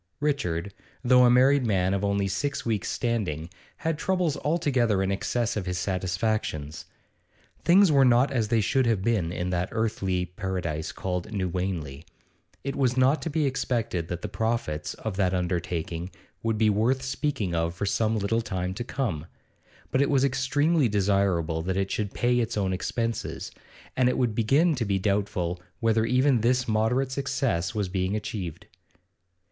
Richard, though a married man of only six weeks' standing, had troubles altogether in excess of his satisfactions. Things were not as they should have been in that earthly paradise called New Wanley. It was not to be expected that the profits of that undertaking would be worth speaking of for some little time to come, but it was extremely desirable that it should pay its own expenses, and it began to be doubtful whether even this moderate success was being achieved.